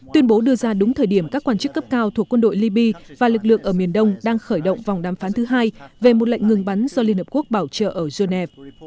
tuyên bố đưa ra đúng thời điểm các quan chức cấp cao thuộc quân đội liby và lực lượng ở miền đông đang khởi động vòng đàm phán thứ hai về một lệnh ngừng bắn do liên hợp quốc bảo trợ ở genève